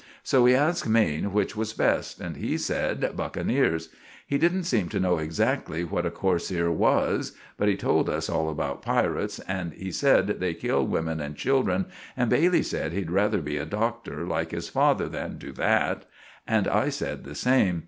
So we asked Maine which was best, and he sed "buckeneers." He didn't seem to know exacktly what a coarseer was; but he told us all about pirits, and he sed they kill womin and childrin, and Bailey said he'd rather be a docter, like his father, than do that, and I said the same.